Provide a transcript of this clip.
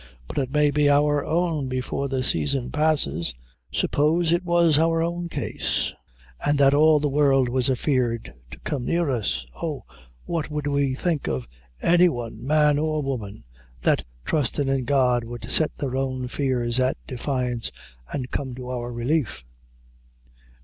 but it may be our own before the season passes suppose it was our own case an' that all the world was afeard to come near us; oh, what would we think of any one, man or woman, that trustin' in God, would set their own fears at defiance, an' come to our relief."